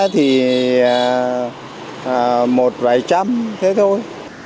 thì một bảy trăm thế thôi